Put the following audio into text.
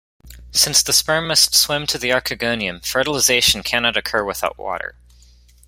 Since the sperm must swim to the archegonium, fertilisation cannot occur without water.